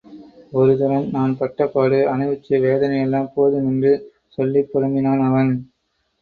ஒரு தரம் நான் பட்டபாடு, அனுபவிச்ச வேதனையெல்லாம் போதும்! என்று சொல்லிப் புலம்பினான் அவன்.